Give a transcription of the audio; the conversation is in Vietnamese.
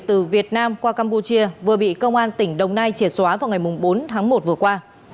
từ việt nam qua campuchia vừa bị công an tỉnh đồng nai triệt xóa vào ngày bốn tháng một vừa qua